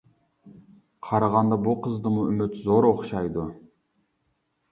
قارىغاندا بۇ قىزدىمۇ ئۈمىد زور ئوخشايدۇ.